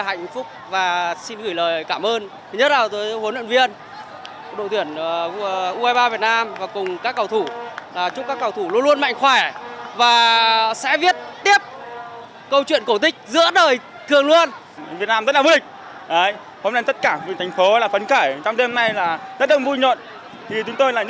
hãy đăng kí cho kênh lalaschool để không bỏ lỡ những video hấp dẫn